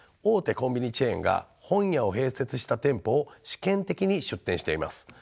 コンビニチェーンが本屋を併設した店舗を試験的に出店しています。